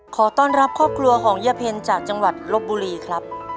ขอต้อนรับครอบครัวของย่าเพ็ญจากจังหวัดลบบุรีครับ